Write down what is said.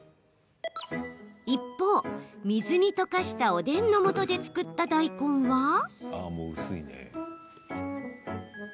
一方、水に溶かしたおでんのもとで作った大根は？